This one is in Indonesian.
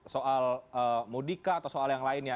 soal mudika atau soal yang lainnya